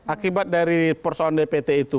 akibat dari persoalan dpt itu